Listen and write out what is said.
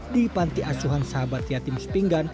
di pantiasuan sahabat yatim sepinggan